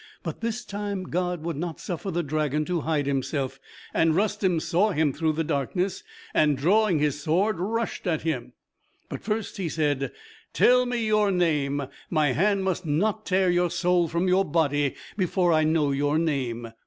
But this time God would not suffer the dragon to hide himself, and Rustem saw him through the darkness, and, drawing his sword, rushed at him. But first he said, "Tell me your name; my hand must not tear your soul from your body before I know your name."